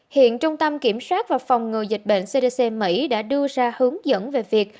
hiện trung tâm kiểm soát và phòng ngừa dịch bệnh cdc mỹ đã đưa ra hướng dẫn về việc